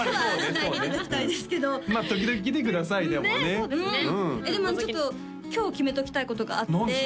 そうですねえっでもちょっと今日決めときたいことがあって何？